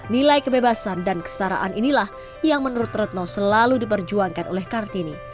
nilai kebebasan dan kestaraan inilah yang menurut retno selalu diperjuangkan oleh kartini